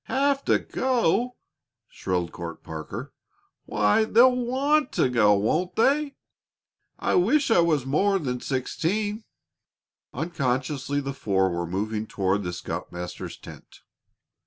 "Have to go!" shrilled Court Parker. "Why, they'll want to go, won't they? I wish I was more than sixteen." Unconsciously the four were moving toward the scoutmaster's tent.